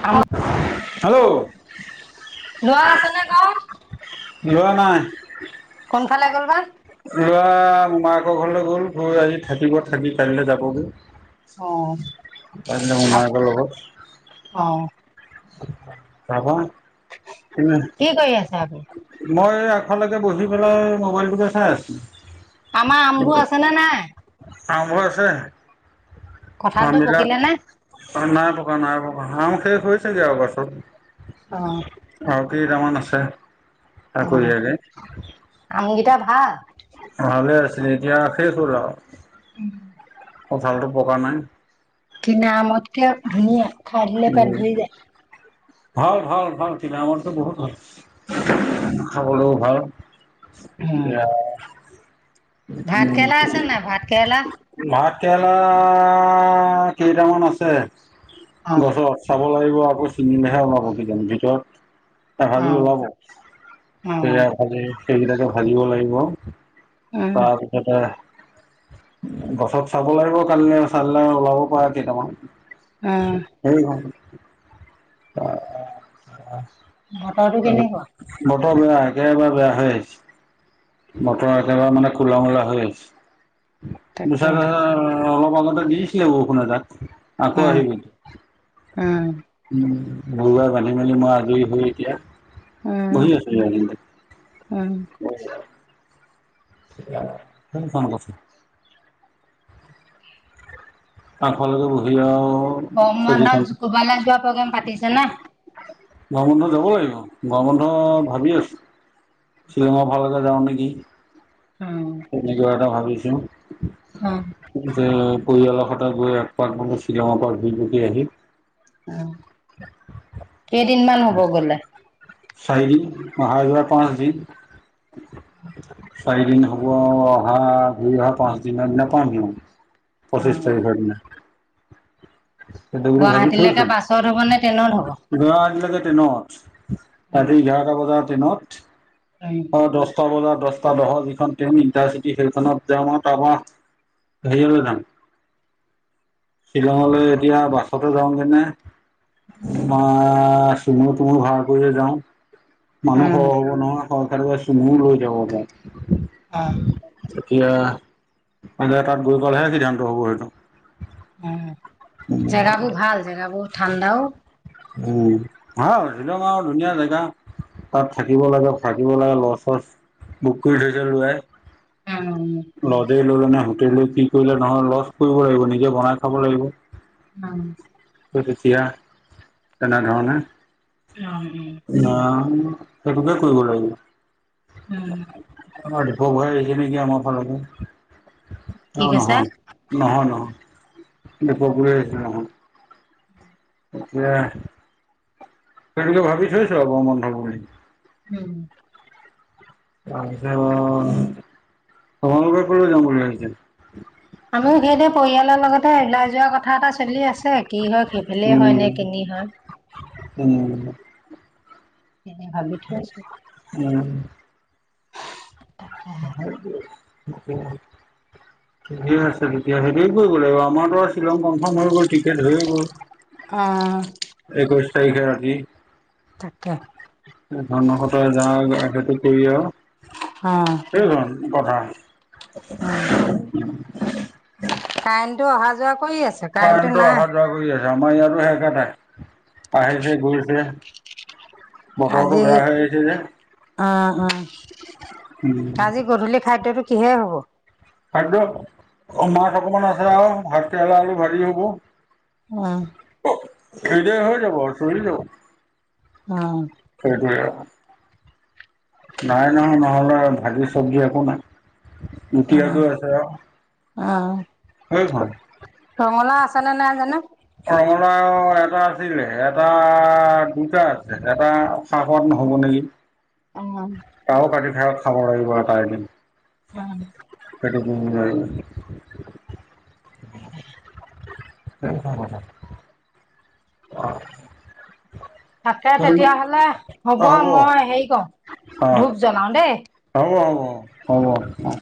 ল'ৰা হেল্ল'! ম'হ আছে নে ঘৰত? ল'ৰা নাই কোনফালে গ'ল বা? লৰা মোমাইয়েকৰ ঘৰলৈ গল। গৈ আজি থাকিব কাইলে থাকি কাইলে যাবগৈ। অ', কাইলে মোমাইকৰ লগত। অ'। যাবা তুমি? কি কৰি আছে আপুনি? মই আগফালে বহি পেলাই মোবাইলটোকে চাই আছো। আমাৰ আমবোৰ আছে নে নাই? আমবোৰ আছে নে নাই? কঁঠালটো আমবিলাক পকিলে - নে? অঁ, নাই পকা, নাই পকা শেষ হৈছেগৈ আৰু পাছত। অঁ। আৰু কেইটামান আছে অ', আকুইীয়াকৈ। আমকেইটা কেইটা ভাল। ভালে আছিলে এতিয়া শেষ হ'ল আৰু। উম। কঁঠালটো পকা নাই। কিনা আমতকে ধুনীয়া, খাই দিলে পেত ভৰি যায়। ভাল, ভাল, ভাল, কিনা আমতকে বহুত ভাল। উম। খাবলৈও ভাল এয়া। ভাত কেৰেলা আছে নাই, ভাত কেৰেলা? ভাত কেৰেলা কেইটামান আছে অ', গছত। চাব লাগিব আকৌ ছিঙিলেহে ওলাব কেইজানি ভিতৰত। এ ভাজি অ', ওলাব? সেয়া অ', ভাজি, সেইকেইটাকে ভাজিব লাগিব। উম, তাৰপিছতে- গছত চাব লাগিব কালিলে চালিলে ওলাব পৰা কেইটামান। উম, সেই নহয়। উম, উম। বতৰ টো কেনেকুৱা? বতৰ বেয়া, একেবাৰে বেয়া হৈ আহিছে। বতৰ একেবাৰে মানে কোলা মূলা হৈ আছে। দুচা তাকেহে, ধৰা অলপ আগতে দিছিলে বৰষুণে এজাক। আকৌ আহিব। উম, উম, গৰুবিলাক বান্ধি মেলি মই আজৰি হৈ এতিয়া উম, বহি আছো। উম। নিশ্চয়। তনে কোন কছোন [unintelligible] আগফালে বহি লৈ আও- গৰম বন্ধত কবালৈ যোৱা প্ৰগেম পাতিছে না? গৰম বন্ধ যাব লাগিব, গৰম বন্ধ ভাবি আছো - শ্বিলংৰ ফালেকে যাওঁ নেকি। উম। তেনেকে কিবা এটা ভাবিছোঁ। অঁ। যে পৰিয়ালৰ সৈতে গৈ একপাক মানে শ্বিলংৰ পৰা ঘুই পকি আহিম। অঁ, কেইদিনমান হ'ব গ'লে? চাৰি দিন, অহা -যোৱা পাঁচ দিন। চাৰিদিন হ'ব, অহা ঘূৰি অহা পাঁচ দিনৰ দিনা পামহি। পঁচিছ তাৰিখৰ দিনা। সেইটো বুলি ভাবি গুৱাহাটীলৈকে থৈছো। বাছত হ'ব নে ট্ৰেইনত হ'ব? লৰা আহিলে যে ট্ৰেইনত, উম, ৰাতি এঘাৰটা বজাৰ ট্ৰেইনত। [unintelligible] অ দহটা বজাত, দহটা দহৰ যিখন ট্ৰেইন ইণ্টাৰচিটি সেইখনত যাম আৰু তাৰ পৰা হেৰিয়লৈ যাম। শ্বিলঙলৈ এতিয়া, বাছতে যাওঁগেনে তোমাৰ, চুমো-তুমো ভাড়া কৰিয়ে যাওঁ মানুহ উম, সৰহ হ'ব নহয়, সৰহ থাকিলে চুমো লৈ যাব পাৰো। অ'। এতিয়া, মানে তাত গৈ গ'লেহে সিদ্ধান্ত হ'ব সেইটো। উম, জেগাবোৰ ভাল, জেগাবোৰ ঠাণ্ডাও উম, ভাল শ্বিলং আৰু ধুনীয়া জেগা। তাত থাকিব লাগে, থাকিব লাগে, লজ-চচ বুক কৰি থৈছে ল'ৰাই। অ উম। লজে ল'লে নে হোটেল, কি কৰিলে, নহ'লে লজ কৰিব লাগিব, নিজে বনাই খাব লাগিব। অ'। চ' তেতিয়া তেনেধৰণে উম। ধৰা, সেইটোকে কৰিব উম, লাগিব। দীপক বৰা আহিছে নেকি আমাৰ ফালৰ পৰা, কি অ' কৈছে? নহয়। নহয়, নহয়, দীপক বৰা আহিছে নহয়। এতিয়া, সেইটোকে ভাবি থৈছো আৰু গৰম বন্ধ বুলি। উম। তাৰপিছত, আপুনালোকে কলৈ যাম বুলি ভাবিছে? আমিও সেইটোৱে, পৰিয়ালৰ লগতে ওলাই যোৱা কথা এটা চলি আছে, কি হয় কি সেইফালেই হয় উম নে কেনি হয়। উম। এনে ভাবি থোৱা আছে। উম। [unintelligible] ঠিকে আছে তেতিয়া, হেৰি কৰিব লাগিব আমাৰতো আৰু শ্বিলং কনফাৰ্ম হৈ গ'ল টিকেট হৈ গ'ল। অ'। একৈশ তাৰিখে ৰাতি। তাকে। ঝমকতে যাওঁ গৈ সেইটো কৰি আৰু অ'। [unintelligible] উম। [unintelligible] কাৰেণ্টটো অহা যোৱা কৰি আছে। কাৰেণ্টটো অহা যোৱা কৰি আছে আমাৰ ইয়াতো একেটাই, আহিছে গৈছে। আজি বতৰটো বেয়া হৈ আহিছে যে। অ', অ', উম আজি গধূলি খাদ্যটো কিহে হব? খাদ্য, অ মাছ অকমান আছে আও ভাতকেৰেলা আৰু ভাজি হ'ব। উম। ভিডিঅ' হৈ যাব চলি যাব। আহ। সেইটো আও, নাই নহয় ভাজি চব্জি একো নাই। গুটি আলু আহ, আছে আৰু আহ, সেইখন ৰঙালাও আছেনে নাই জানো! ৰঙা এটা আছিলে এটা দুটা আছে এটা। চাহ খাদ নহ'ব নেকি? অৱ। তাও কাতি থাকক খাব লাগিব এটা এদিন। উম। সটো [unintelligible] [unintelligible] [unintelligible] অ। থাকে তেতিয়া হ'লে হ'ব, মই হেৰি কৰওঁ হ'ব ধূপ জ্বলাও দেই। হ'ব হ'ব অৱ।